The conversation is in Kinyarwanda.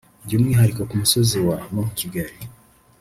by’umwihariko ku musozi wa Mont Kigali